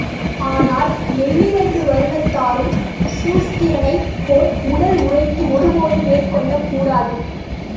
ஆனால் மேலிரண்டு வருணத்தாரும் சூத்திரனைப் போல் உடல் உழைப்பை ஒருபோதும் மேற்கொள்ளக் கூடாது.